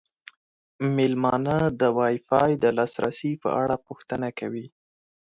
میلمانه د وای فای د لاسرسي په اړه پوښتنه کوي.